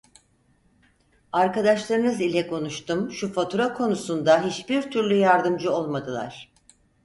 Arkadaşlarınız ile konuştum, şu fatura konusunda hiçbir türlü yardımcı olmadılar